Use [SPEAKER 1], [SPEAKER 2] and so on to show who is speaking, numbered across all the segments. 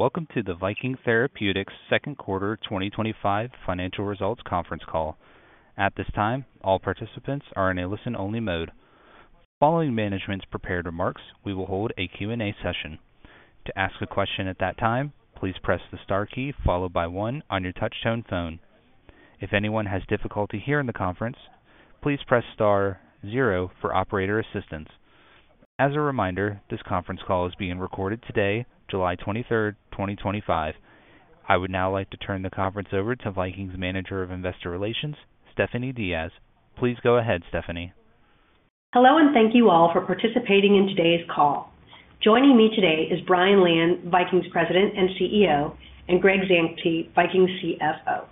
[SPEAKER 1] Welcome to the Viking Therapeutics second quarter 2025 financial results conference call. At this time, all participants are in a listen-only mode. Following management's prepared remarks, we will hold a Q&A session. To ask a question at that time, please press the Star key followed by one on your touchtone phone. If anyone has difficulty hearing the conference, please press Star zero for operator assistance. As a reminder, this conference call is being recorded today, July 23rd, 2025. I would now like to turn the conference over to Viking Therapeutics Manager of Investor Relations, Stephanie Diaz. Please go ahead, Stephanie.
[SPEAKER 2] Hello and thank you all for participating in today's call. Joining me today is Brian Lian, Viking's President and CEO, and Greg Zante, Viking's CFO.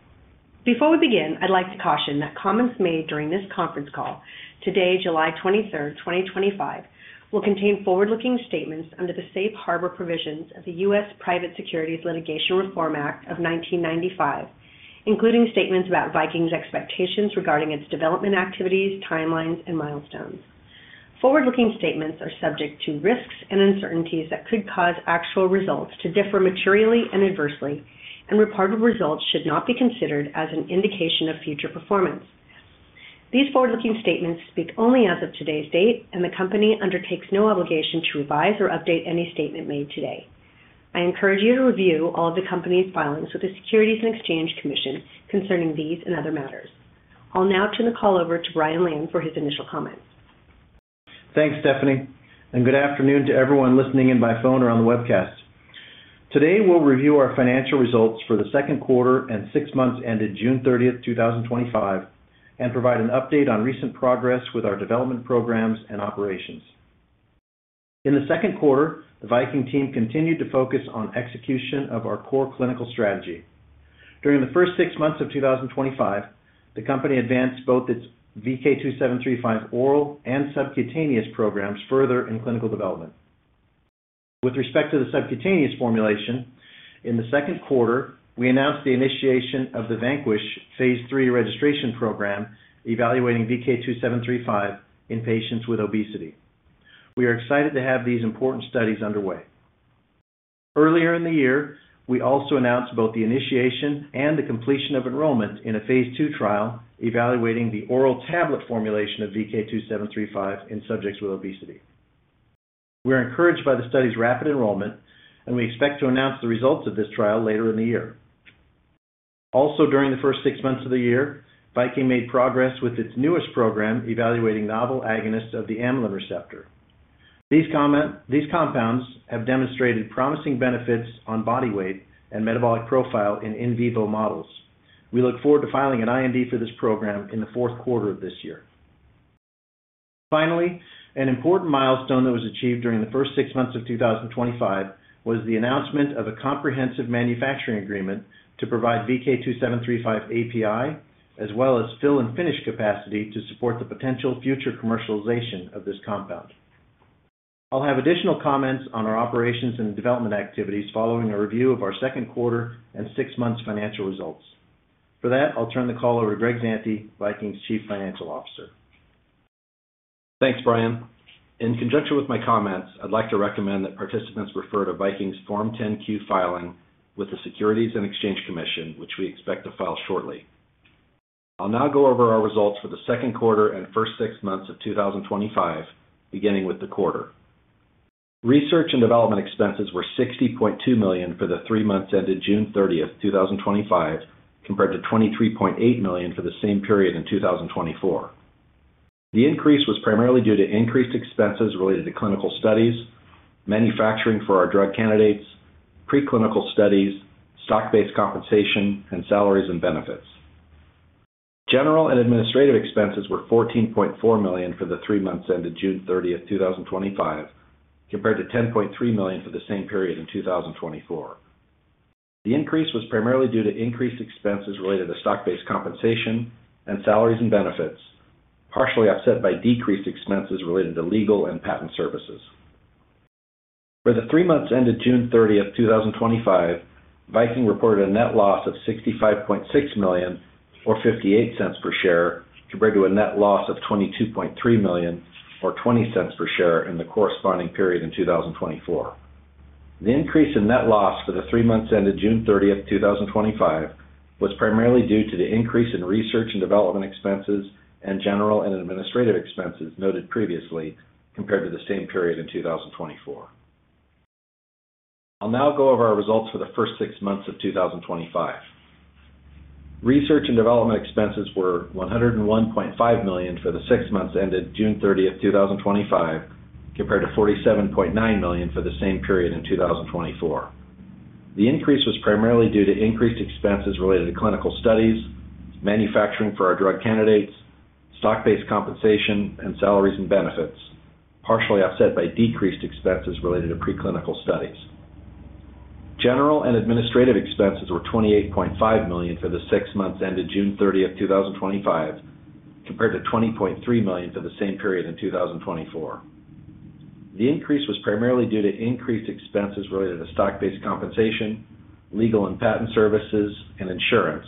[SPEAKER 2] Before we begin, I'd like to caution that comments made during this conference call today, July 23rd, 2025, will contain forward-looking statements under the Safe Harbor provisions of the U.S. Private Securities Litigation Reform Act of 1995, including statements about Viking's expectations regarding its development activities, timelines, and milestones. Forward-looking statements are subject to risks and uncertainties that could cause actual results to differ materially and adversely, and reported results should not be considered as an indication of future performance. These forward-looking statements speak only as of today's date, and the company undertakes no obligation to revise or update any statement made today. I encourage you to review all of the company's filings with the Securities and Exchange Commission concerning these and other matters. I'll now turn the call over to Brian Lian for his initial comments.
[SPEAKER 3] Thanks Stephanie and good afternoon to everyone listening in by phone or on the webcast. Today we'll review our financial results for the second quarter and six months ended June 30th, 2025, and provide an update on recent progress with our development programs and operations. In the second quarter, the Viking team continued to focus on execution of our core clinical strategy. During the first six months of 2025, the company advanced both its VK2735 oral and subcutaneous programs further in clinical development. With respect to the subcutaneous formulation, in the second quarter, we announced the initiation of the VANQUISH phase III registration program evaluating VK2735 in patients with obesity. We are excited to have these important studies underway. Earlier in the year, we also announced both the initiation and the completion of enrollment in a phase II trial evaluating the oral tablet formulation of VK2735 in subjects with obesity. We are encouraged by the study's rapid enrollment, and we expect to announce the results of this trial later in the year. Also during the first six months of the year, Viking made progress with its newest program evaluating novel agonists of the amylin receptor. These compounds have demonstrated promising benefits on body weight and metabolic profile in in vivo models. We look forward to filing an IND for this program in the fourth quarter of this year. Finally, an important milestone that was achieved during the first six months of 2025 was the announcement of a comprehensive manufacturing agreement to provide VK2735 API as well as fill and finish capacity to support the potential future commercialization of this compound. I'll have additional comments on our operations and development activities following a review of our second quarter and six months financial results. For that, I'll turn the call over to Greg Zante, Viking's Chief Financial Officer. Thanks Brian.
[SPEAKER 4] In conjunction with my comments, I'd like to recommend that participants refer to Viking Therapeutics' Form 10-Q filing with the Securities and Exchange Commission, which we expect to file shortly. I'll now go over our results for the second quarter and first six months of 2025. Beginning with the quarter, research and development expenses were $60.2 million for the three months ended June 30th, 2025, compared to $23.8 million for the same period in 2024. The increase was primarily due to increased expenses related to clinical studies, manufacturing for our drug candidates, preclinical studies, stock-based compensation, and salaries and benefits. General and administrative expenses were $14.4 million for the three months ended June 30th, 2025, compared to $10.3 million for the same period in 2024. The increase was primarily due to increased expenses related to stock-based compensation and salaries and benefits, partially offset by decreased expenses related to legal and patent services. For the three months ended June 30th, 2025, Viking Therapeutics reported a net loss of $65.6 million or $0.58 per share, compared to a net loss of $22.3 million or $0.20 per share in the corresponding period in 2024. The increase in net loss for the three months ended June 30th, 2025, was primarily due to the increase in research and development expenses and general and administrative expenses noted previously compared to the same period in 2024. I'll now go over our results for the first six months of 2025. Research and development expenses were $101.5 million for the six months ended June 30th, 2025, compared to $47.9 million for the same period in 2024. The increase was primarily due to increased expenses related to clinical studies, manufacturing for our drug candidates, stock-based compensation, and salaries and benefits, partially offset by decreased expenses related to preclinical studies. General and administrative expenses were $28.5 million for the six months ended June 30th, 2025, compared to $20.3 million for the same period in 2024. The increase was primarily due to increased expenses related to stock-based compensation, legal and patent services, and insurance,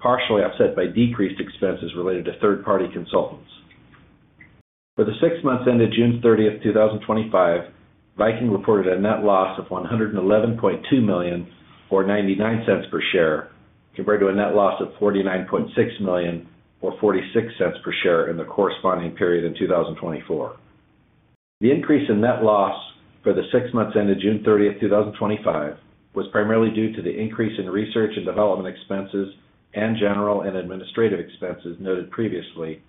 [SPEAKER 4] partially offset by decreased expenses related to third-party consultants. For the six months ended June 30th, 2025, Viking reported a net loss of $111.2 million or $0.99 per share, compared to a net loss of $49.6 million or $0.46 per share in the corresponding period in 2024. The increase in net loss for the six months ended June 30th, 2025, was primarily due to the increase in research and development expenses and general and administrative expenses noted previously,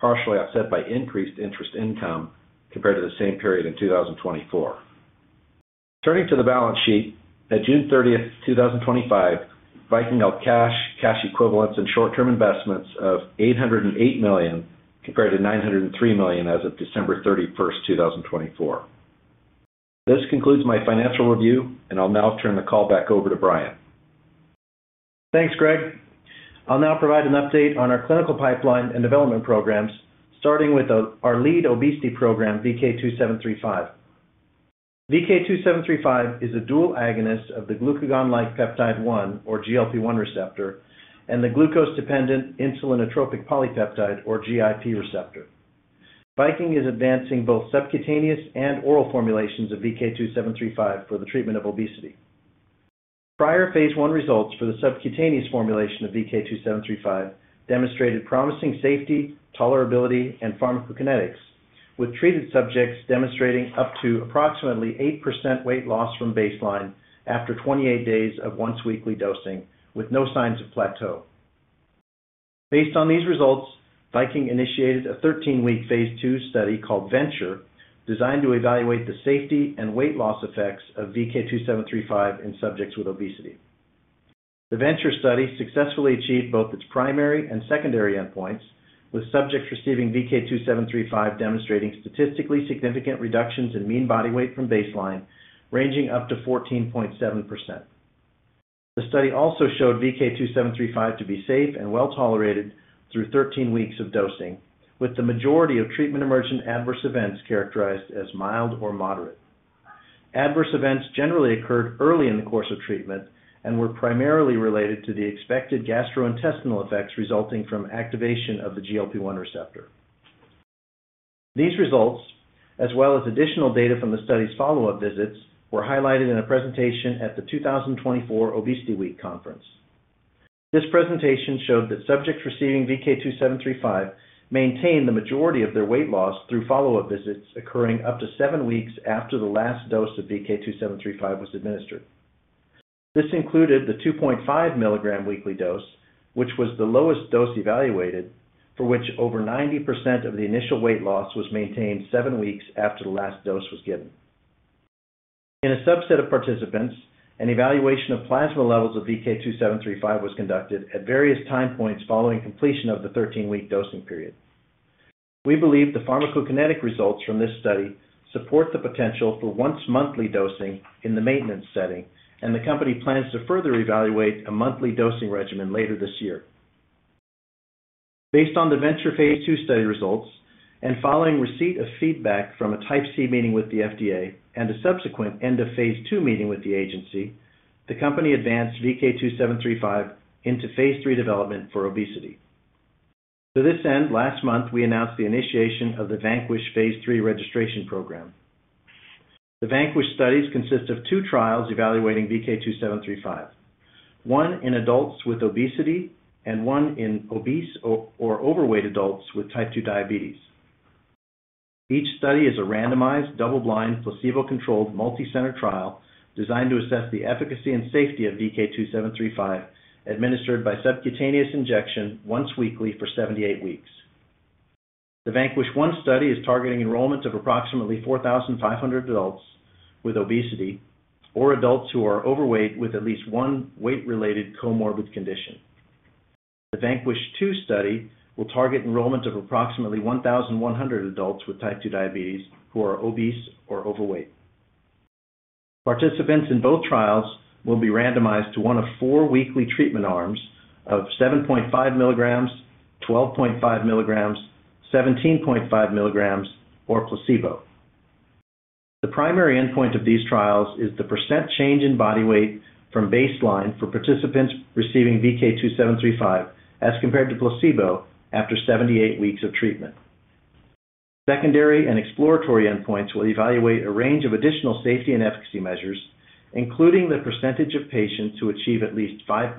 [SPEAKER 4] partially offset by increased interest income compared to the same period in 2024. Turning to the balance sheet at June 30th, 2025, Viking Therapeutics held cash, cash equivalents, and short-term investments of $808 million compared to $903 million as of December 31st, 2024. This concludes my financial review and I'll now turn the call back over to Brian.
[SPEAKER 3] Thanks, Greg. I'll now provide an update on our clinical pipeline and development programs, starting with our lead obesity program, VK2735. VK2735 is a dual agonist of the glucagon-like peptide 1, or GLP-1, receptor and the glucose-dependent insulinotropic polypeptide, or GIP, receptor. Viking is advancing both subcutaneous and oral formulations of VK2735 for the treatment of obesity. Prior phase I results for the subcutaneous formulation of VK2735 demonstrated promising safety, tolerability, and pharmacokinetics, with treated subjects demonstrating up to approximately 8% weight loss from baseline after 28 days of once-weekly dosing with no signs of plateau. Based on these results, Viking initiated a 13-week phase II study called VENTURE, designed to evaluate the safety and weight loss effects of VK2735 in subjects with obesity. The VENTURE study successfully achieved both its primary and secondary endpoints, with subjects receiving VK2735 demonstrating statistically significant reductions in mean body weight from baseline, ranging up to 14.7%. The study also showed VK2735 to be safe and well tolerated through 13 weeks of dosing, with the majority of treatment-emergent adverse events characterized as mild or moderate. Adverse events generally occurred early in the course of treatment and were primarily related to the expected gastrointestinal effects resulting from activation of the GLP-1 receptor. These results, as well as additional data from the study's follow-up visits, were highlighted in a presentation at the 2024 Obesity Week conference. This presentation showed that subjects receiving VK2735 maintained the majority of their weight loss through follow-up visits occurring up to seven weeks after the last dose of VK2735 was administered. This included the 2.5 mg weekly dose, which was the lowest dose evaluated, for which over 90% of the initial weight loss was maintained seven weeks after the last dose was given. In a subset of participants, an evaluation of plasma levels of VK2735 was conducted at various time points following completion of the 13-week dosing period. We believe the pharmacokinetic results from this study support the potential for once-monthly dosing in the maintenance setting, and the company plans to further evaluate a monthly dosing regimen later this year. Based on the VENTURE phase II study results and following receipt of feedback from a Type C meeting with the FDA and a subsequent end of phase II meeting with the agency, the company advanced VK2735 into phase III development for obesity. To this end, last month we announced the initiation of the VANQUISH phase III Registration Program. The VANQUISH studies consist of two trials evaluating VK2735, one in adults with obesity and one in obese or overweight adults with type 2 diabetes. Each study is a randomized, double-blind, placebo-controlled, multicenter trial designed to assess the efficacy and safety of VK2735 administered by subcutaneous injection once weekly for 78 weeks. The VANQUISH-1 study is targeting enrollment of approximately 4,500 adults with obesity or adults who are overweight with at least one weight-related comorbid condition. The VANQUISH-2 study will target enrollment of approximately 1,100 adults with type 2 diabetes who are obese or overweight. Participants in both trials will be randomized to one of four weekly treatment arms of 7.5 mg, 12.5 mg, 17.5 mg, or placebo. The primary endpoint of these trials is the percent change in body weight from baseline for participants receiving VK2735 as compared to placebo after 78 weeks of treatment. Secondary and exploratory endpoints will evaluate a range of additional safety and efficacy measures, including the percentage of patients who achieve at least 5%,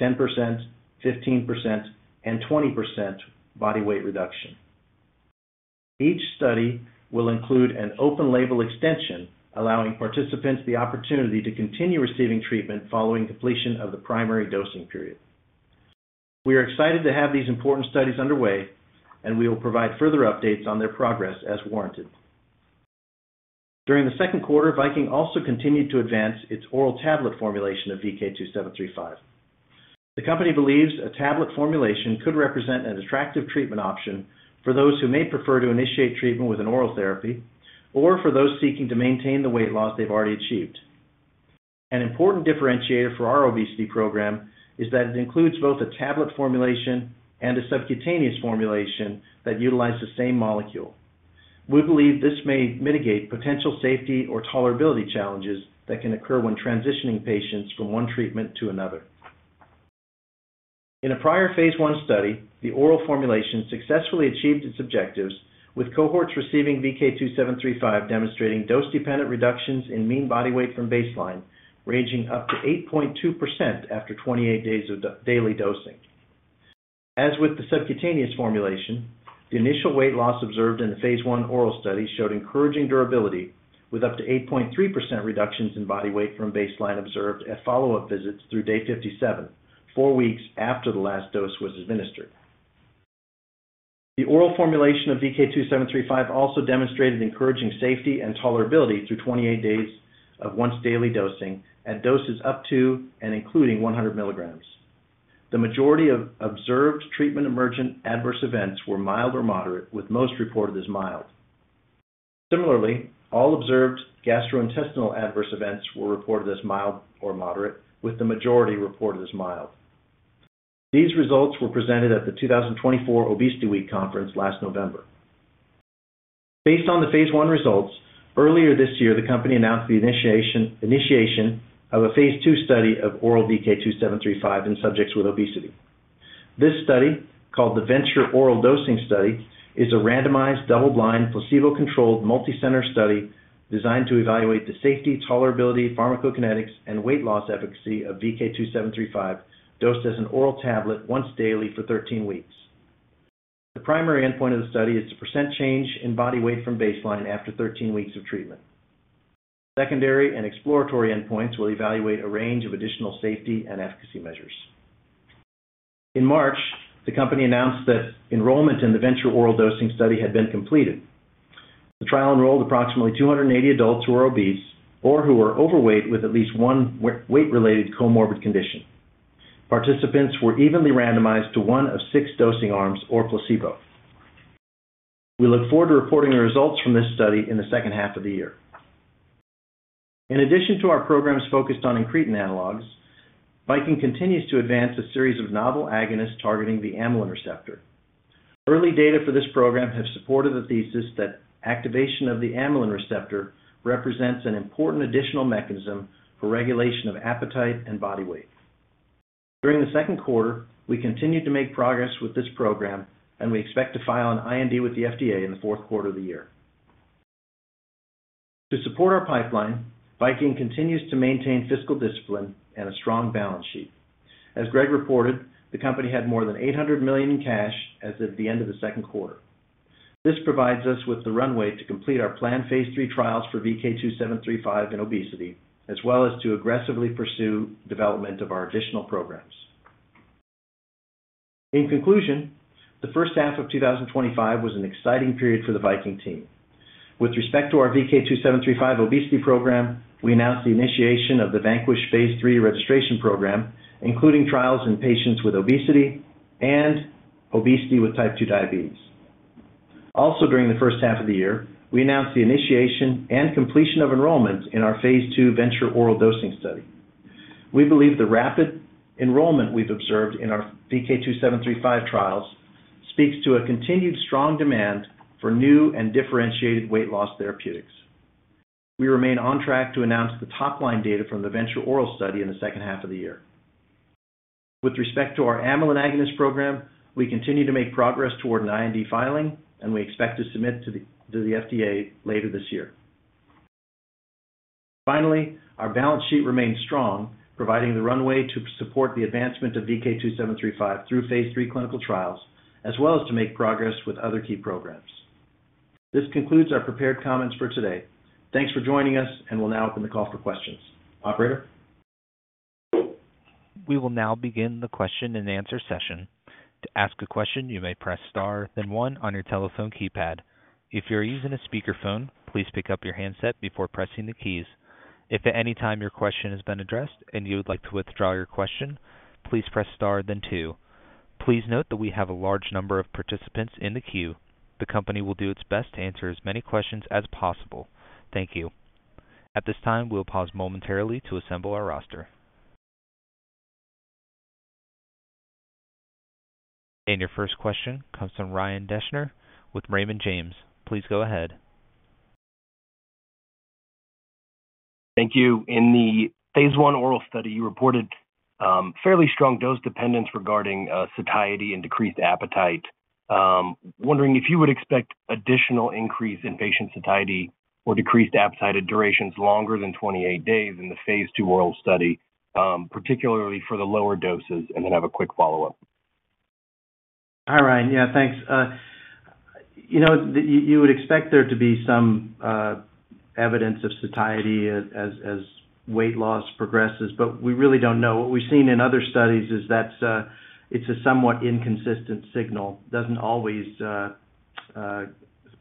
[SPEAKER 3] 10%, 15%, and 20% body weight reduction. Each study will include an open-label extension allowing participants the opportunity to continue receiving treatment following completion of the primary dosing period. We are excited to have these important studies underway and we will provide further updates on their progress as warranted. During the second quarter, Viking also continued to advance its oral tablet formulation of VK2735. The company believes a tablet formulation could represent an attractive treatment option for those who may prefer to initiate treatment with an oral therapy or for those seeking to maintain the weight loss they've already achieved. An important differentiator for our obesity program is that it includes both a tablet formulation and a subcutaneous formulation that utilize the same molecule. We believe this may mitigate potential safety or tolerability challenges that can occur when transitioning patients from one treatment to another. In a prior phase I study, the oral formulation successfully achieved its objectives with cohorts receiving VK2735 demonstrating dose-dependent reductions in mean body weight from baseline ranging up to 8.2% after 28 days of daily dosing. As with the subcutaneous formulation, the initial weight loss observed in the phase I oral study showed encouraging durability with up to 8.3% reductions in body weight from baseline observed at follow-up visits through day 57, four weeks after the last dose was administered. The oral formulation of VK2735 also demonstrated encouraging safety and tolerability through 28 days of once-daily dosing at doses up to and including 100 mg. The majority of observed treatment-emergent adverse events were mild or moderate, with most reported as mild. Similarly, all observed gastrointestinal adverse events were reported as mild or moderate, with the majority reported as mild. These results were presented at the 2024 Obesity Week conference last November. Based on the phase I results, earlier this year the company announced the initiation of a phase II study of oral VK2735 in subjects with obesity. This study, called the VENTURE-Oral Dosing Study, is a randomized, double-blind, placebo-controlled, multicenter study designed to evaluate the safety, tolerability, pharmacokinetics, and weight loss efficacy of VK2735 dosed as an oral tablet once daily for 13 weeks. The primary endpoint of the study is the percent change in body weight from baseline after 13 weeks of treatment. Secondary and exploratory endpoints will evaluate a range of additional safety and efficacy measures. In March, the company announced that enrollment in the VENTURE-Oral Dosing Study had been completed. The trial enrolled approximately 280 adults who were obese or who were overweight with at least one weight-related comorbid condition. Participants were evenly randomized to one of six dosing arms or placebo. We look forward to reporting the results from this study in the second half of the year. In addition to our programs focused on incretin analogs, Viking continues to advance a series of novel agonists targeting the amylin receptor. Early data for this program have supported the thesis that activation of the amylin receptor represents an important additional mechanism for regulation of appetite and body weight. During the second quarter, we continued to make progress with this program, and we expect to file an IND with the FDA in the fourth quarter of the year. To support our pipeline, Viking continues to maintain fiscal discipline and a strong balance sheet. As Greg reported, the company had more than $800 million in cash as of the end of the second quarter. This provides us with the runway to complete our planned phase III trials for VK2735 in obesity, as well as to aggressively pursue development of our additional programs. In conclusion, the first half of 2025 was an exciting period for the Viking team. With respect to our VK2735 obesity program, we announced the initiation of the VANQUISH phase III registration program, including trials in patients with obesity and obesity with type 2 diabetes. Also, during the first half of the year, we announced the initiation and completion of enrollments in our phase II VENTURE-Oral Dosing study. We believe the rapid enrollment we've observed in our VK2735 trials speaks to a continued strong demand for new and differentiated weight loss therapeutics. We remain on track to announce the top line data from the VENTURE-Oral Dosing study in the second half of the year. With respect to our amylin receptor agonist program, we continue to make progress toward an IND filing, and we expect to submit to the FDA later this year. Finally, our balance sheet remains strong, providing the runway to support the advancement of VK2735 through phase III clinical trials as well as to make progress with other key programs. This concludes our prepared comments for today. Thanks for joining us, and we'll now open the call for questions. Operator.
[SPEAKER 1] We will now begin the question-and-answer session. To ask a question, you may press Star, then one on your telephone keypad. If you are using a speakerphone, please pick up your handset before pressing the keys. If at any time your question has been addressed and you would like to withdraw your question, please press Star then two. Please note that we have a large number of participants in the queue. The company will do its best to answer as many questions as possible. Thank you. At this time, we will pause momentarily to assemble our roster. Your first question comes from Ryan Deschner with Raymond James. Please go ahead.
[SPEAKER 5] Thank you. In the phase I oral study, you reported fairly strong dose dependence regarding satiety and decreased appetite. Wondering if you would expect additional increase in patient satiety or decreased appetite at durations longer than 28 days in the phase II oral study, particularly for the lower doses, and then have a quick follow up.
[SPEAKER 3] Hi, Ryan. Yeah, thanks. You would expect there to be some evidence of satiety as weight loss progresses, but we really don't know. What we've seen in other studies is that it's a somewhat inconsistent signal, doesn't always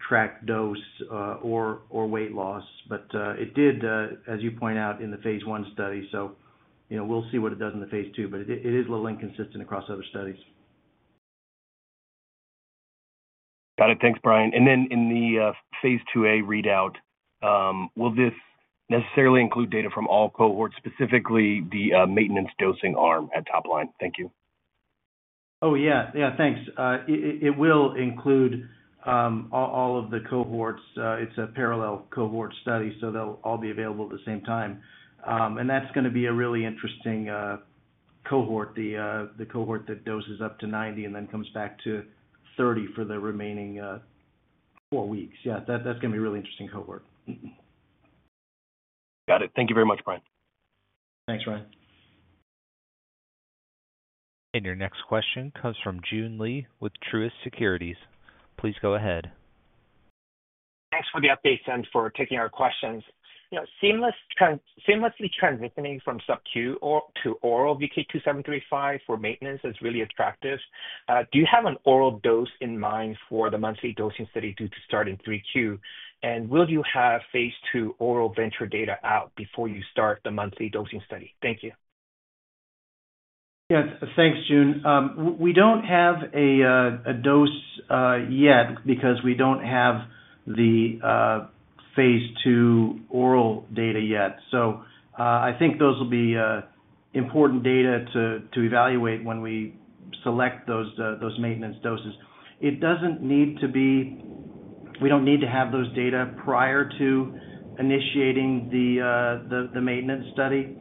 [SPEAKER 3] track dose or weight loss, but it did, as you point out, in the phase I study. We'll see what it does in the phase II, but it is a little inconsistent across other studies.
[SPEAKER 5] Got it. Thanks, Brian. In the phase IIa readout, will this necessarily include data from all cohorts, specifically the maintenance dosing arm at top line? Thank you.
[SPEAKER 3] Thank you. It will include all of the cohorts. It's a parallel cohort study, so they'll all be available at the same time. That's going to be a really interesting cohort, the cohort that doses up to 90 and then comes back to 30 for the remaining four weeks. That's going to be really interesting.
[SPEAKER 5] Got it. Thank you very much, Brian.
[SPEAKER 3] Thanks, Ryan.
[SPEAKER 1] Your next question comes from Joon Lee with Truist Securities. Please go ahead.
[SPEAKER 6] Thanks for the updates and for taking our questions seamlessly. Transitioning from subcutaneous to oral VK2735 for maintenance is really attractive. Do you have an oral dose in mind for the monthly dosing study due to start in 3Q? Will you have phase II oral VENTURE data out before you start the monthly dosing study? Thank you.
[SPEAKER 3] Yes, thanks, Joon. We don't have a dose yet because we don't have the phase II oral data yet. I think those will be important data to evaluate when we select those maintenance doses. It doesn't need to be. We don't need to have those data prior to initiating the maintenance study.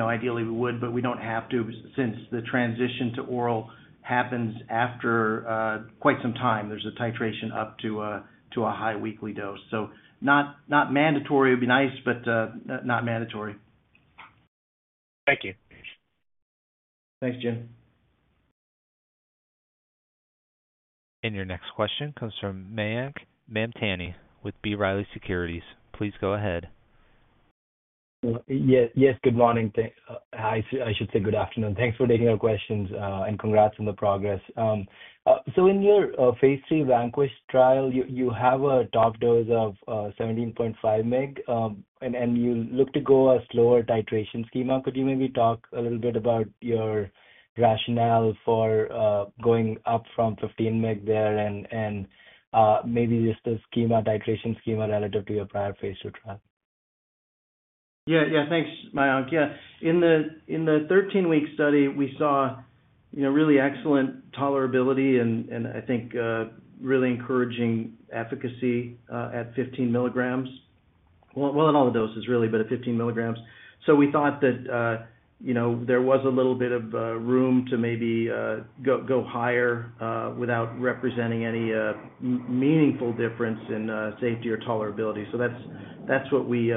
[SPEAKER 3] Ideally we would, but we don't have to. Since the transition to oral happens after quite some time, there's a titration up to a high weekly dose. Not mandatory. It would be nice, but not mandatory.
[SPEAKER 6] Thank you.
[SPEAKER 3] Thanks, Joon.
[SPEAKER 1] Your next question comes from Mayank Mamtani with B. Riley Securities. Please go ahead.
[SPEAKER 7] Yes, good morning. I should say good afternoon. Thanks for taking our questions and congrats on the progress. In your phase III VANQUISH trial, you have a top dose of 17.5 mg and you look to go a slower titration schema. Could you maybe talk a little bit about your rationale for going up from 15 mg there and maybe just the schema, titration schema relative to your prior phase II trial?
[SPEAKER 3] Yeah, thanks, Mayank. In the 13 week study we saw really excellent tolerability and I think really encouraging efficacy at 15 mg, in all the doses really, but at 15 mg. We thought that there was a little bit of room to maybe go higher without representing any meaningful difference in safety or tolerability. That's what we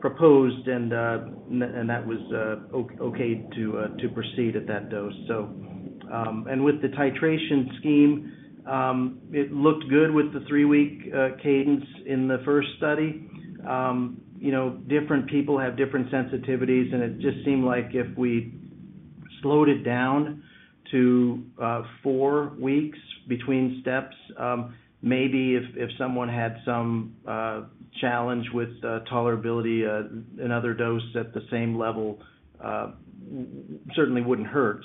[SPEAKER 3] proposed and that was okay to proceed at that dose. With the titration scheme, it looked good with the three week cadence in the first study. Different people have different sensitivities, and it just seemed like if we slowed it down to four weeks between steps, maybe if someone had some challenge with tolerability, another dose at the same level certainly wouldn't hurt.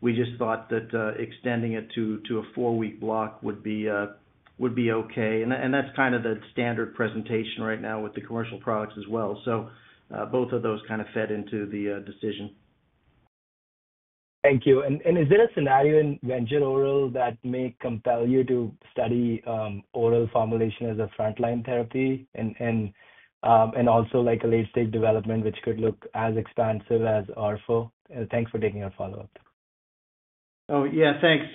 [SPEAKER 3] We just thought that extending it to a four week block would be okay. That's kind of the standard presentation right now with the commercial products as well. Both of those kind of fed into the decision.
[SPEAKER 7] Thank you. Is there a scenario in VENTURE Oral that may compel you to study oral formulation as a frontline therapy and also like a late stage development which could look as expansive as Orpho? Thanks for taking a follow up.
[SPEAKER 3] Yeah, thanks.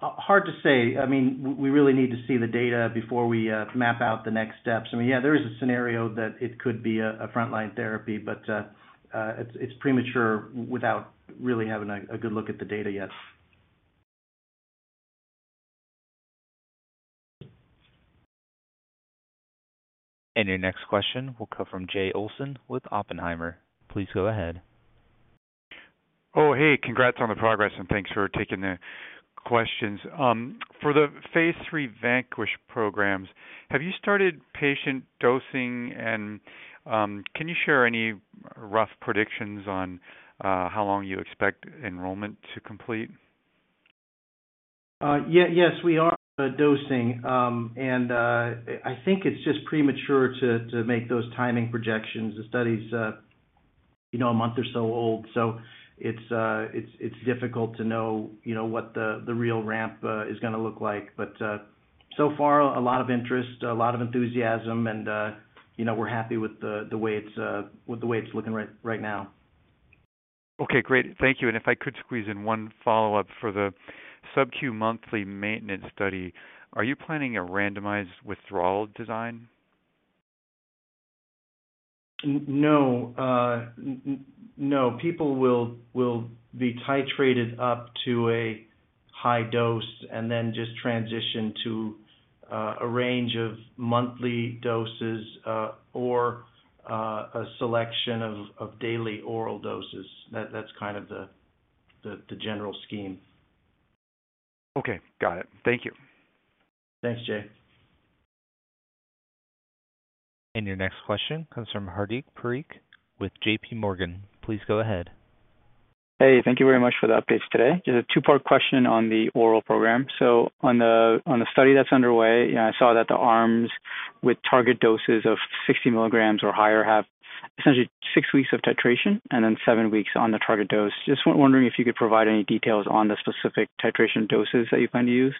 [SPEAKER 3] Hard to say. I mean, we really need to see the data before we map out the next steps. I mean, yeah, there is a scenario that it could be a frontline therapy, but it's premature without really having a good look at the data yet.
[SPEAKER 1] Your next question will come from Jay Olson with Oppenheimer. Please go ahead.
[SPEAKER 8] Oh, hey, congrats on the progress and thanks for taking the questions. For the phase III VANQUISH programs, have you started patient dosing, and can you share any rough predictions on how long you expect enrollment to complete?
[SPEAKER 3] Yes, we are dosing, and I think it's just premature to make those timing projections. The study is a month or so old, so it's difficult to know what the real ramp is going to look like. So far, a lot of interest, a lot of enthusiasm, and we're happy with the way it's looking right now.
[SPEAKER 8] Okay, great. Thank you. If I could squeeze in one follow up for the subcutaneous monthly maintenance study, are you planning a randomized withdrawal design?
[SPEAKER 3] No, no. People will be titrated up to a high dose and then just transition to a range of monthly doses or a selection of daily oral doses. That's kind of the general scheme.
[SPEAKER 8] Okay, got it. Thank you.
[SPEAKER 3] Thanks, Jay.
[SPEAKER 1] Your next question comes from Hardik Parikh with JPMorgan. Please go ahead.
[SPEAKER 9] Thank you very much for the updates today. Just a two-part question on the oral program. On the study that's underway, I saw that the arms with target doses of 60 mg or higher have essentially six weeks of titration and then seven weeks on the target dose. Could you provide any details on the specific titration doses that you plan to use?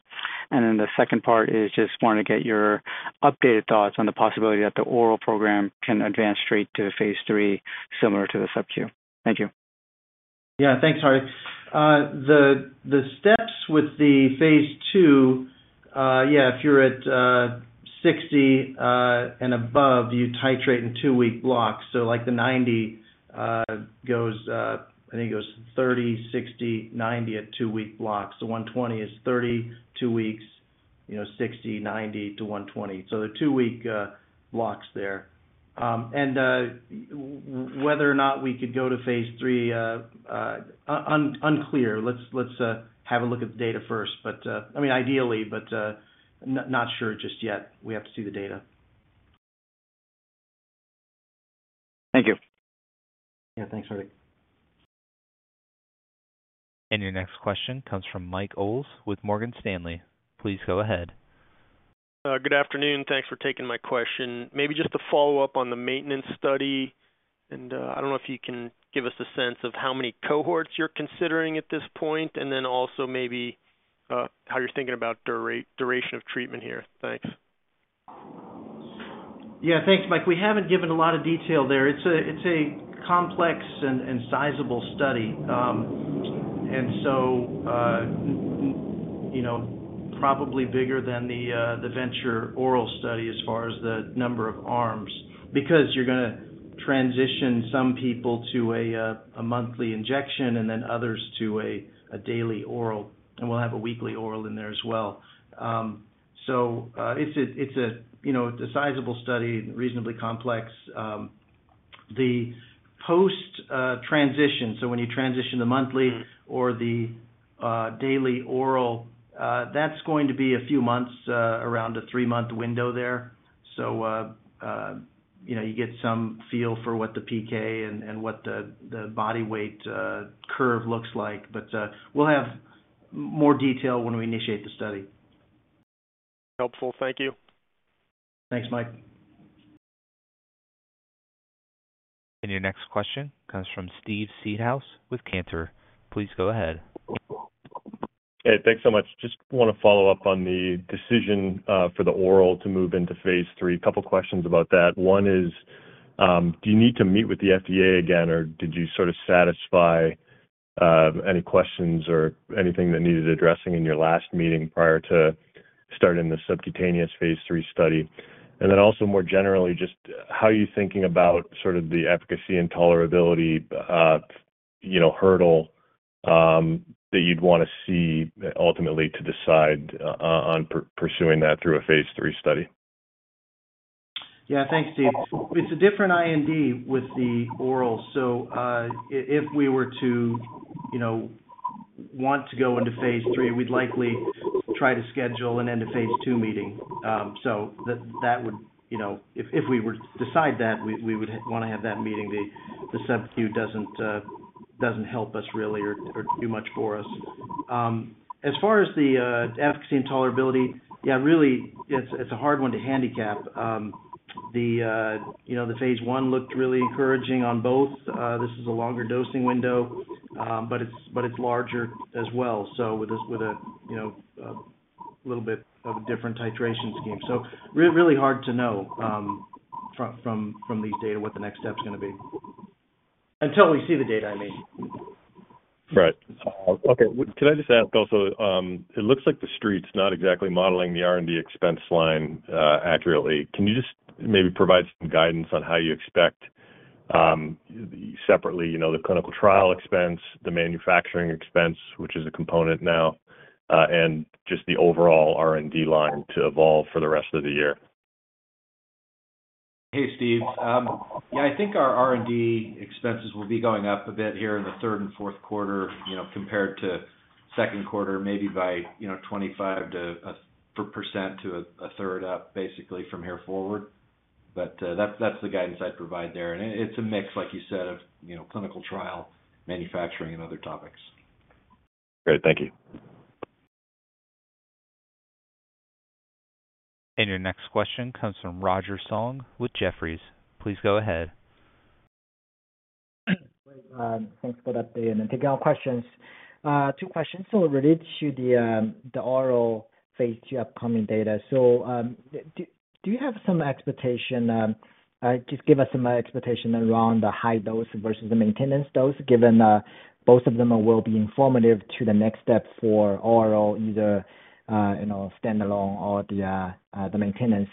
[SPEAKER 9] The second part is, I wanted to get your updated thoughts on the possibility that the oral program can advance straight to phase III, similar to the subcutaneous. Thank you.
[SPEAKER 3] Yeah, thanks. Hardik. The steps with the phase II. If you're at 60 and above, you titrate in two week blocks. The 90 mg goes, I think it goes 30 mg, 60 mg, 90 mg at two week blocks. 120 mg is 32 weeks, you know, 60 mg, 90 mg-120 mg. The two week blocks there and whether or not we could go to phase III, unclear. Let's have a look at the data first. I mean ideally, but not sure just yet. We have to see the data.
[SPEAKER 9] Thank you.
[SPEAKER 3] Yeah, thanks.
[SPEAKER 1] Your next question comes from Mike Oles with Morgan Stanley. Please go ahead.
[SPEAKER 10] Good afternoon. Thanks for taking my question. Maybe just a follow up on the maintenance study, and I don't know if you can give us a sense of how many cohorts you're considering at this point, and then also maybe how you're thinking about duration of treatment here. Thanks.
[SPEAKER 3] Yeah, thanks, Mike. We haven't given a lot of detail there. It's a complex and sizable study, probably bigger than the VENTURE-Oral study as far as the number of arms, because you're going to transition some people to a monthly injection and then others to a daily oral. We'll have a weekly oral in there as well. It's a sizable study, reasonably complex, the post transition. When you transition to the monthly or the daily oral, that's going to be a few months, around a three month window there. You get some feel for what the PK and what the body weight curve looks like. We'll have more detail when we initiate the study.
[SPEAKER 10] Helpful, thank you.
[SPEAKER 3] Thanks, Mike.
[SPEAKER 1] Your next question comes from Steve Seedhouse with Cantor. Please go ahead.
[SPEAKER 11] Thanks so much. Just want to follow up on the decision for the oral to move into phase III. Couple questions about that. Do you need to meet with the FDA again or did you sort of satisfy any questions or anything that needed addressing in your last meeting prior to starting the subcutaneous phase III study? Also, more generally, just how are you thinking about sort of the efficacy and tolerability hurdle that you'd want to see ultimately to decide on pursuing that through a phase III study?
[SPEAKER 3] Yeah, thanks, Steve. It's a different IND with the orals. If we were to, you know, want to go into phase III, we'd likely try to schedule an end of phase II meeting. That would, you know, if we were to decide that we would want to have that meeting. The subcutaneous doesn't help us really, or do much for us as far as the efficacy and tolerability. It's a hard one to handicap. The phase I looked really encouraging on both. This is a longer dosing window, but it's larger as well with a little bit of a different titration scheme. It's really hard to know from these data what the next step is going to be until we see the data, I mean.
[SPEAKER 11] Right. Okay. Can I just ask, it looks like the Street's not exactly modeling the R&D expense line accurately. Can you just maybe provide some guidance on how you expect separately, you know, the clinical trial expense, the manufacturing expense, which is a component now, and just the overall R&D line to evolve for the rest of the year.
[SPEAKER 3] Hey, Steve. Yeah. I think our R&D expenses will be going up a bit here in the third and fourth quarter, compared to second quarter, maybe by 25%-30% to a third up basically from here forward. That's the guidance I provide there. It's a mix, like you said, of clinical trial manufacturing and other topics.
[SPEAKER 11] Great, thank you.
[SPEAKER 1] Your next question comes from Roger Song with Jefferies. Please go ahead.
[SPEAKER 12] Thanks for that. Taking our questions, two questions related to the oral phase II upcoming data. Do you have some expectation? Just give us some expectation around the high dose versus the maintenance dose given. Both of them will be informative to the next step for oral, either standalone or the maintenance.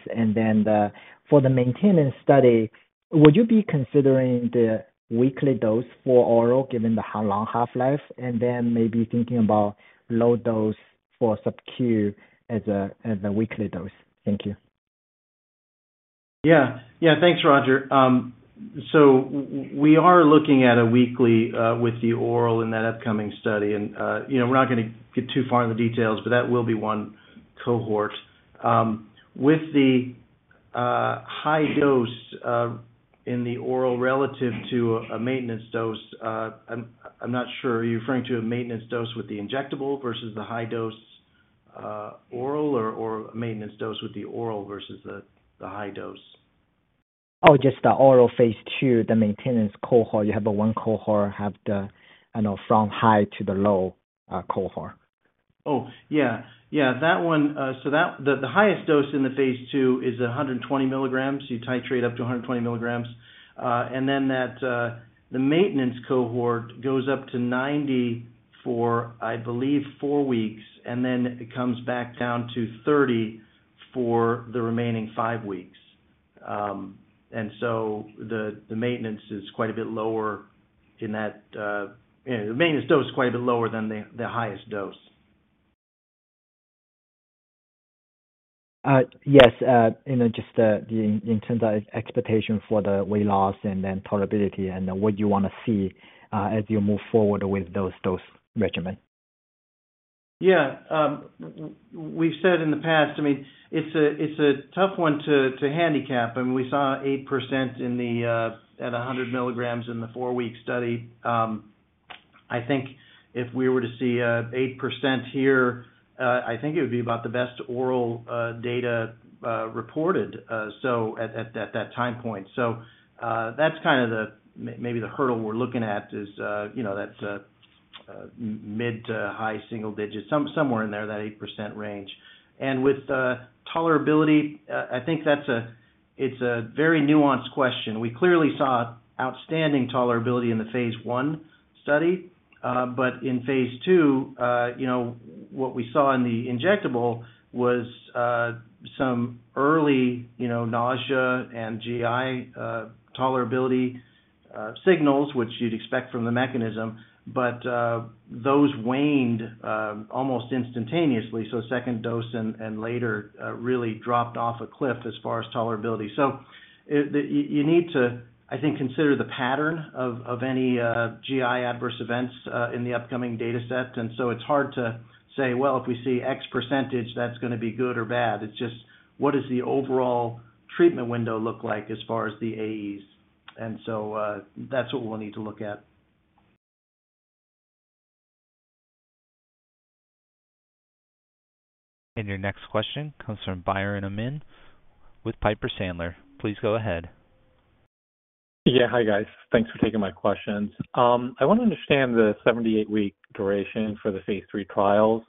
[SPEAKER 12] For the maintenance study, would you be considering the weekly dose for oral given the long half life, and maybe thinking about low dose for subcutaneous as a weekly dose? Thank you.
[SPEAKER 3] Yeah, thanks, Roger. We are looking at a weekly with the oral in that upcoming study, and we're not going to get too far in the details, but that will be one cohort with the high dose in the oral relative to a maintenance dose. I'm not sure. Are you referring to a maintenance dose with the injectable versus the high dose, oral or maintenance dose with the oral versus the high dose?
[SPEAKER 12] Oh, just the oral phase II the maintenance cohort. You have one cohort, have the from high to the low cohort.
[SPEAKER 3] Oh, yeah, yeah, that one. The highest dose in the phase II is 120 mg. You titrate up to 120 mg and the maintenance cohort goes up to 90 mg for, I believe, four weeks, and it comes back down to 30 mg for the remaining five weeks. The maintenance is quite a bit lower in that the maintenance dose is quite a bit lower than the highest dose.
[SPEAKER 12] Yes. Just in terms of expectation for the weight loss and then tolerability, and what you want to see as you move forward with those regimen.
[SPEAKER 3] Yeah, we've said in the past, I mean, it's a tough one to handicap and we saw 8% at 100 mg in the four week study. I think if we were to see 8% here, I think it would be about the best oral data reported at that time point. That's kind of the, maybe the hurdle we're looking at is, you know, that mid to high single digits somewhere in there, that 8% range. With tolerability, I think that's a, it's a very nuanced question. We clearly saw outstanding tolerability in the phase I study. In phase II, what we saw in the injectable was some early nausea and GI tolerability signals which you'd expect from the mechanism. Those waned almost instantaneously. Second dose and later really dropped off a cliff as far as tolerability. You need to, I think, consider the pattern of any GI adverse events in the upcoming data set. It's hard to say, if we see X% that's going to be good or bad. It's just what does the overall treatment window look like as far as the AEs. That's what we'll need to look at.
[SPEAKER 1] Your next question comes from Biren Amin with Piper Sandler.. Please go ahead.
[SPEAKER 13] Yeah, hi guys, thanks for taking my questions. I want to understand the 78 week duration for the phase III trials.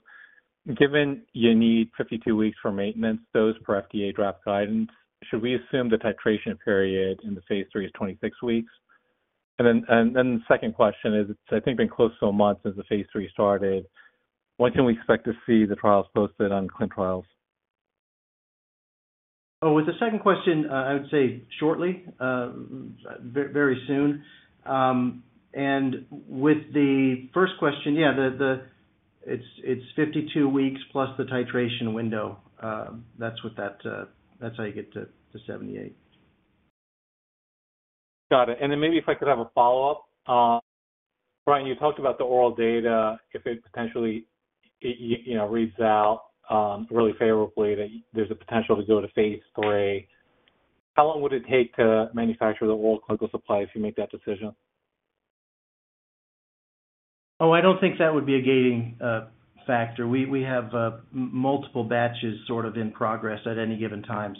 [SPEAKER 13] Given you need 52 weeks for maintenance dose per FDA draft guidance, should we assume the titration period in the phase III is 26 weeks? My second question is, I think it's been close to a month since the phase III started. When can we expect to see the trials posted on ClinTrials?
[SPEAKER 3] With the second question, I would say shortly, very soon. With the first question, yeah, it's 52 weeks plus the titration window. That's how you get to 78 weeks.
[SPEAKER 13] Got it. Maybe if I could have a follow up. Brian, you talked about the oral data. If it potentially reads out really favorably, that there's a potential to go to phase III, how long would it take to manufacture the oral clinical supply if you make that decision?
[SPEAKER 3] I don't think that would be a gating factor. We have multiple batches in progress at any given time.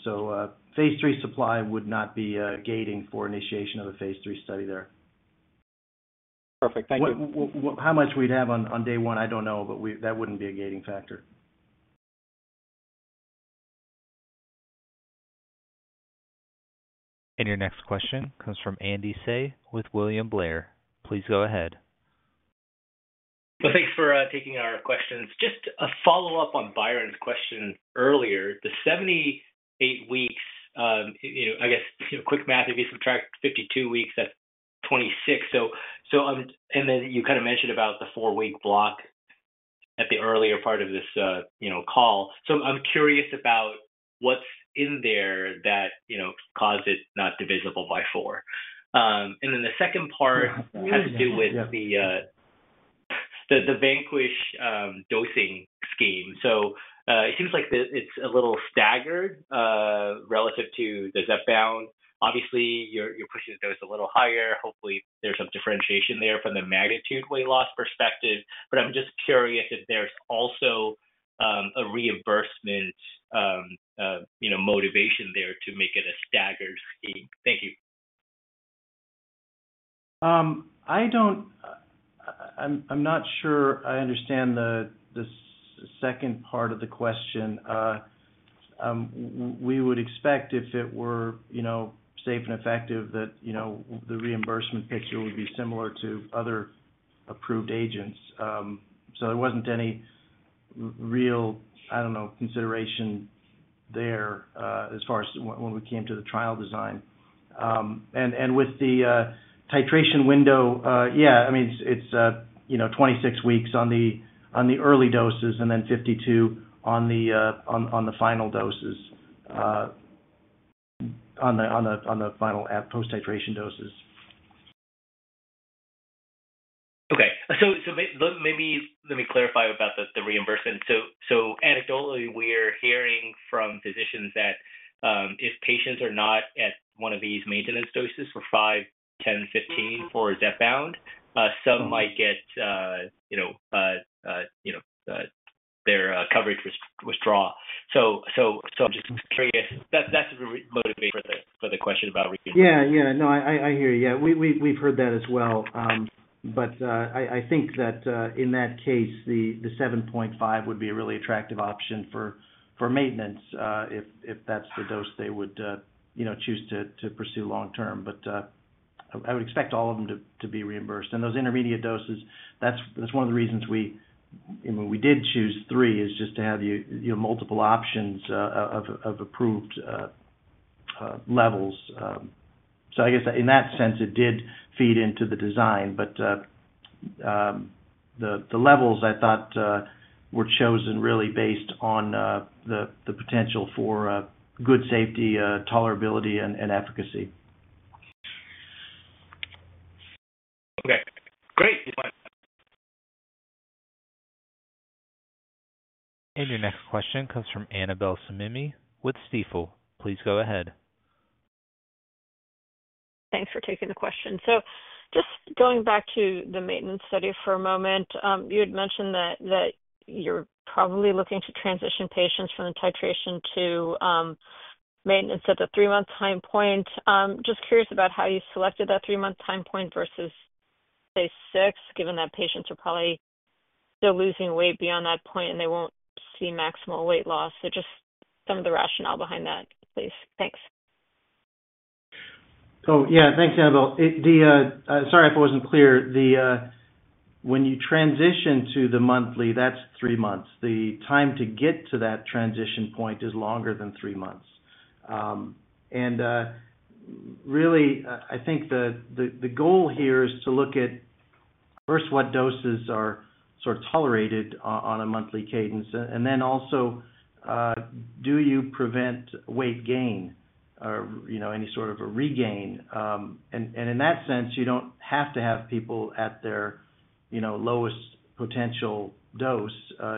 [SPEAKER 3] Phase III supply would not be gating for initiation of a phase III study there.
[SPEAKER 13] Perfect. Thank you.
[SPEAKER 3] How much we'd have on day one, I don't know, but that wouldn't be a gating factor.
[SPEAKER 1] Your next question comes from Andy Hsieh with William Blair. Please go ahead.
[SPEAKER 14] Thank you for taking our questions. Just a follow up on Biron's question earlier, the 78 weeks, I guess quick math, if you subtract 52 weeks, that's. You kind of mentioned about the four week block at the earlier part of this call. I'm curious about what's in there that caused it not divisible by 4. The second part has to do with the VANQUISH dosing scheme, it seems like it's a little staggered relative to the Zepbound. Obviously, you're pushing those a little higher. Hopefully, there's some differentiation there from the magnitude weight loss perspective. I'm just curious if there's also a reimbursement motivation there to make it a staggered scheme. Thank you.
[SPEAKER 3] I'm not sure I understand the second part of the question. We would expect if it were safe and effective, that the reimbursement picture would be similar to other approved agents. There wasn't any real consideration there as far as when we came to the trial design and with the titration window. It's 26 weeks on the early doses and then 52 on the final doses, on the final post titration doses.
[SPEAKER 14] Okay, let me clarify about the reimbursement. Anecdotally, we're hearing from physicians that if patients are not at one of these maintenance doses for 5, 10, 15 for DEP bound, some might get their coverage withdrawn. I'm just curious, that's motivated the question about.
[SPEAKER 3] Yeah, I hear you. We've heard that as well. I think that in that case the 7.5 would be a really attractive option for maintenance if that's the dose they would choose to pursue long term. I would expect all of them to be reimbursed, and those intermediate doses, that's one of the reasons we did choose three, is just to have multiple options of approved levels. I guess in that sense it did feed into the design, but the levels I thought were chosen really based on the potential for good safety, tolerability, and efficacy.
[SPEAKER 14] Okay, great.
[SPEAKER 1] Your next question comes from Annabel Samimy with Stifel. Please go ahead.
[SPEAKER 15] Thanks for taking the question. Just going back to the maintenance study for a moment, you had mentioned that you're probably looking to transition patients from the titration to maintenance at the three month time point. I'm just curious about how you selected that three month time point versus given that patients are probably still losing weight beyond that point and they won't see maximal weight loss. Just some of the rationale behind that, please. Thanks.
[SPEAKER 3] Oh yeah, thanks Annabel. Sorry if I wasn't clear. When you transition to the monthly, that's three months. The time to get to that transition point is longer than three months. I think the goal here is to look at first what doses are sort of tolerated on a monthly cadence, and then also do you prevent weight gain or any sort of a regain. In that sense, you don't have to have people at their lowest potential dose.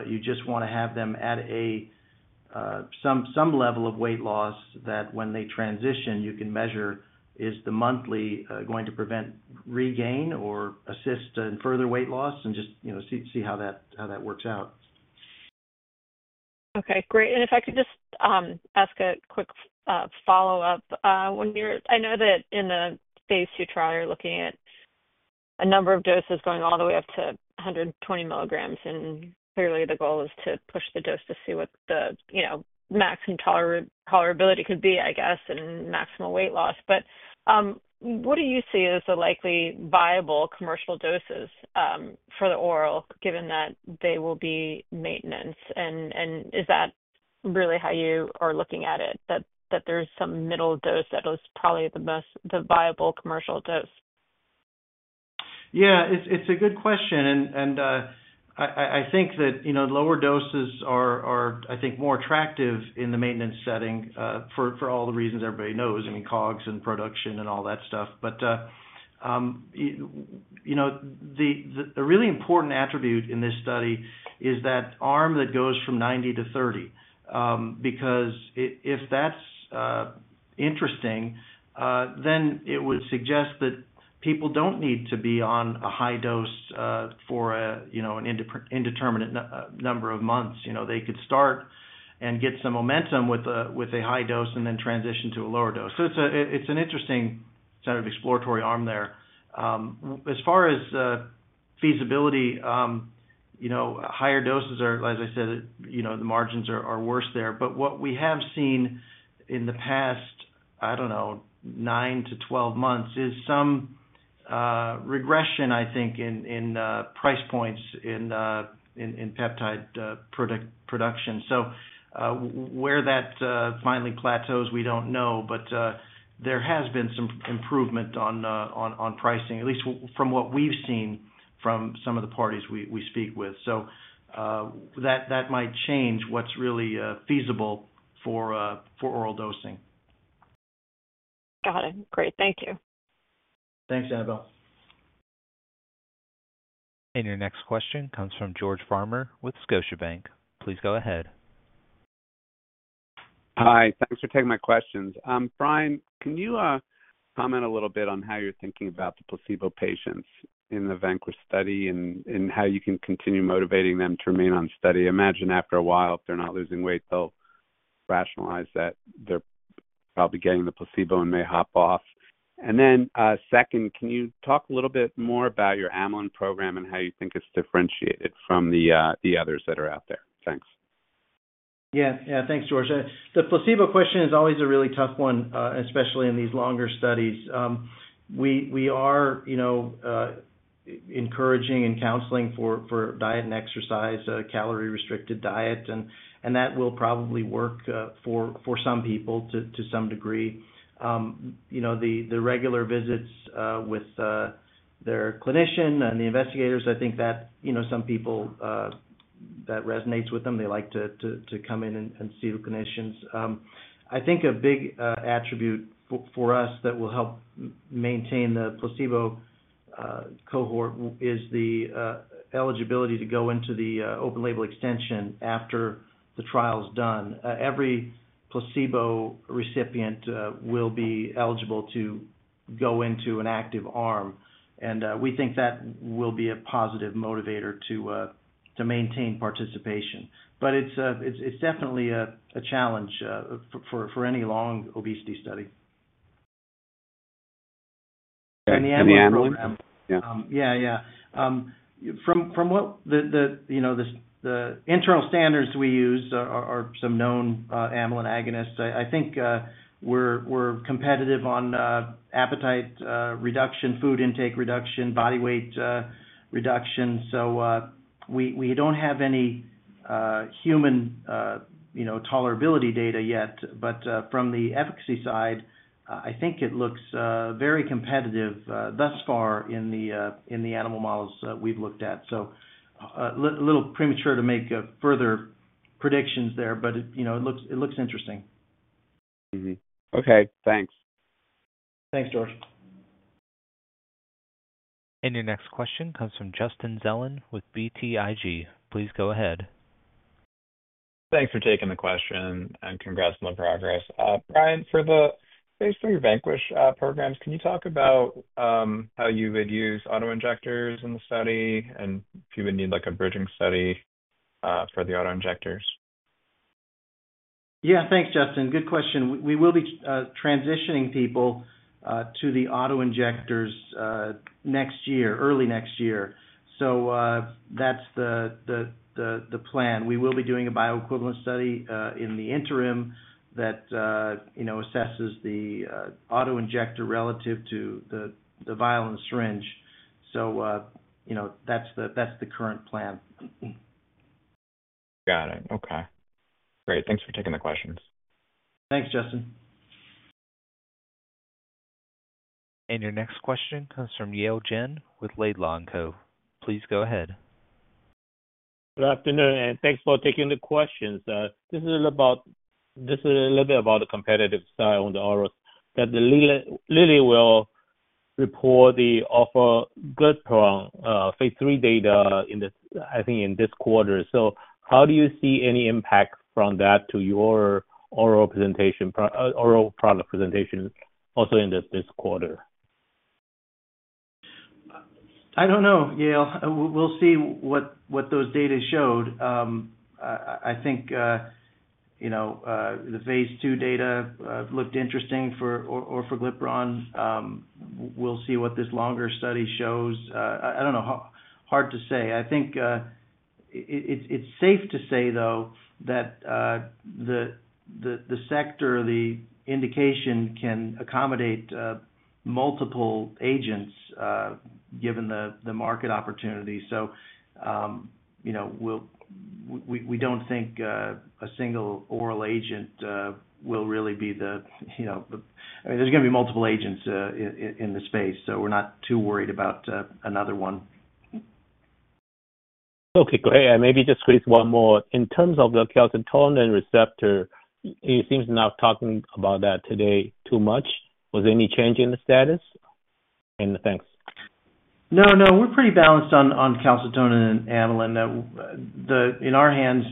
[SPEAKER 3] You just want to have them at some level of weight loss that when they transition, you can measure if the monthly is going to prevent regain or assist in further weight loss and just see how that works out.
[SPEAKER 15] Okay, great. If I could just ask a quick follow up. I know that in the phase II study you're looking at a number of doses going all the way up to 120 mg. Clearly, the goal is to push the dose to see what the maximum tolerability could be, I guess, and maximum weight loss. What do you see as the likely viable commercial doses for the oral, given that they will be maintenance? Is that really how you are looking at it, that there's some middle dose that is probably the most viable commercial dose?
[SPEAKER 3] Yeah, it's a good question. I think that, you know, lower doses are, I think, more attractive in the maintenance setting for all the reasons everybody knows, I mean, cogs and production and all that stuff. A really important attribute in this study is that arm that goes from 90 mg to 30 mg. If that's interesting, then it would suggest that people don't need to be on a high dose for an indeterminate number of months. They could start and get some momentum with a high dose and then transition to a lower dose. It's an interesting sort of exploratory arm there. As far as feasibility, higher doses are, as I said, the margins are worse there. What we have seen in the past, I don't know, 9-12 months, is some regression, I think, in price points in peptide production. Where that finally plateaus, we don't know. There has been some improvement on pricing, at least from what we've seen from some of the parties we speak with. That might change what's really feasible for oral dosing.
[SPEAKER 15] Got it. Great, thank you.
[SPEAKER 3] Thanks, Annabelle.
[SPEAKER 1] Your next question comes from George Farmer with Scotiabank. Please go ahead.
[SPEAKER 16] Hi, thanks for taking my questions. Brian, can you comment a little bit on how you're thinking about the placebo patients in the VANQUISH study and how you can continue motivating them to remain on study? Imagine after a while, if they're not losing weight, they'll rationalize that they're probably getting the placebo and may hop off. Second, can you talk a little bit more about your amylin program and how you think it's differentiated from the others that are out there? Thanks.
[SPEAKER 3] Yeah, thanks, George. The placebo question is always a really tough one, especially in these longer studies. We are encouraging and counseling for diet and exercise, calorie-restricted diet. That will probably work for some people to some degree. The regular visits with their clinician and the investigators, I think that some people, that resonates with them, they like to come in and see the Clinicians. I think a big attribute for us that will help maintain the placebo cohort is the eligibility to go into the open-label extension. After the trial is done, every placebo recipient will be eligible to go into an active arm, and we think that will be a positive motivator to maintain participation. It's definitely a challenge for any long obesity study.
[SPEAKER 16] Any amylin receptor agonist?
[SPEAKER 3] From what the internal standards we use are some known amylin receptor agonists. I think we're competitive on appetite reduction, food intake reduction, body weight reduction. We don't have any human tolerability data yet, but from the efficacy side, I think it looks very competitive thus far in the animal models we've looked at. It's a little premature to make further predictions there, but it looks interesting.
[SPEAKER 16] Okay, thanks.
[SPEAKER 3] Thanks, George.
[SPEAKER 1] Your next question comes from Justin Zelin with BTIG. Please go ahead.
[SPEAKER 17] Thanks for taking the question and congrats on the progress. Brian, for the phase III VANQUISH programs, can you talk about how you would use auto injectors in the study, and if you would need like a bridging study for the auto injectors?
[SPEAKER 3] Yeah, thanks, Justin. Good question. We will be transitioning people to the auto injectors early next year. That's the plan. We will be doing a bioequivalence study in the interim that assesses the auto injector relative to the vial and syringe. That's the current plan.
[SPEAKER 17] Got it. Okay, great. Thanks for taking the questions.
[SPEAKER 3] Thanks, Justin.
[SPEAKER 1] Your next question comes from Yale Jen with Laidlaw & Co. Please go ahead.
[SPEAKER 18] Good afternoon and thanks for taking the questions. This is a little bit about the competitive side on the RS that Lilly will report the offer GlutaPro phase III data in the, I think in this quarter. How do you see any impact from that to your oral product presentation also in this quarter?
[SPEAKER 3] I don't know, Yale. We'll see what those data showed. I think the phase II data looked interesting. For GlutaPro, we'll see what this longer study shows. I don't know. Hard to say. I think it's safe to say though that the sector, the indication can accommodate multiple agents given the market opportunity. You know, we don't think a single oral agent will really be the, you know, I mean there's going to be multiple agents in the space, so we're not too worried about another one.
[SPEAKER 18] Okay, great. Maybe just squeeze one more in terms of the calcium tolerant receptor. It seems not talking about that today too much. Was there any change in the status and thanks.
[SPEAKER 3] No, no. We're pretty balanced on calcitonin and amylin. In our hands,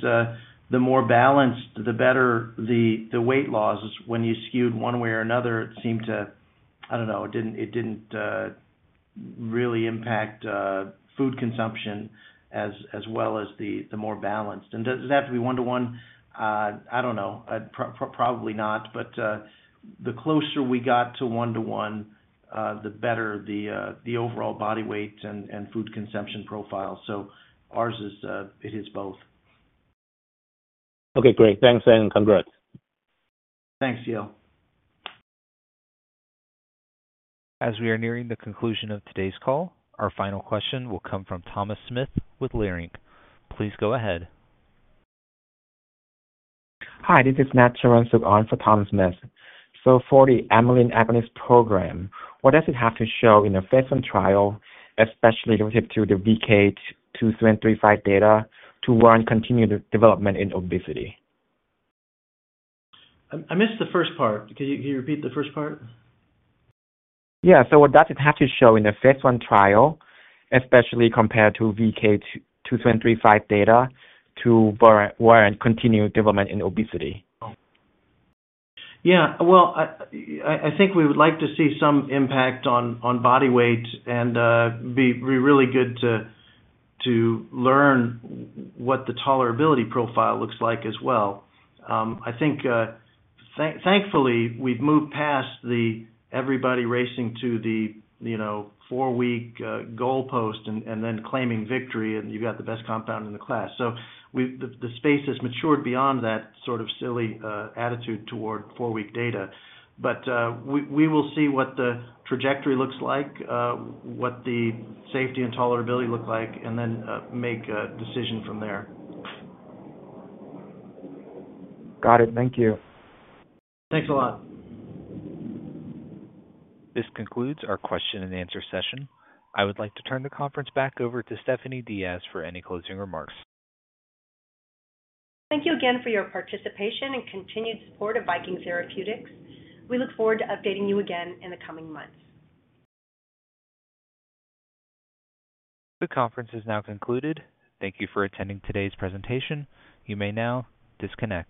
[SPEAKER 3] the more balanced, the better. The weight loss when you skewed one way or another seemed to, I don't know, it didn't really impact food consumption as well as the more balanced. Does it have to be one to one? I don't know, probably not. The closer we got to one to one, the better the overall body weight and food consumption profile. Ours both.
[SPEAKER 18] Okay, great. Thanks and congrats.
[SPEAKER 3] Thanks, Yale.
[SPEAKER 1] As we are nearing the conclusion of today's call, our final question will come from Thomas Smith with Leerink. Please go ahead.
[SPEAKER 19] Hi, this is Nat Charoensookon for Thomas Smith. For the amylin receptor agonist program, what does it have to show in a phase I trial, especially relative to the VK2735 data, to warrant continued development in obesity?
[SPEAKER 3] I missed the first part. Can you repeat the first part?
[SPEAKER 19] Yeah. What does it have to show in the phase I trial, especially compared to VK2735 data, to warrant continued development in obesity?
[SPEAKER 3] I think we would like to see some impact on body weight, and it would be really good to learn what the tolerability profile looks like as well. Thankfully, we've moved past everybody racing to the four-week goal post and then claiming victory and saying you have the best compound in the class. The space has matured beyond that sort of silly attitude toward four-week data. We will see what the trajectory looks like, what the safety and tolerability look like, and then make a decision from there.
[SPEAKER 19] Got it. Thank you.
[SPEAKER 3] Thanks a lot.
[SPEAKER 1] This concludes our question-and-answer session. I would like to turn the conference back over to Stephanie Diaz for any closing remarks.
[SPEAKER 2] Thank you again for your participation and continued support of Viking Therapeutics. We look forward to updating you again in the coming months.
[SPEAKER 1] The conference is now concluded. Thank you for attending today's presentation. You may now disconnect.